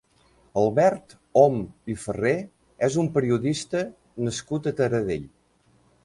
Albert Om i Ferrer és un periodista nascut a Taradell.